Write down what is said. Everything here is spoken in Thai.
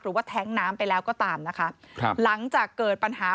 หรือว่าแท๊งน้ำไปแล้วก็ตามหลังจากเกิดปัญหา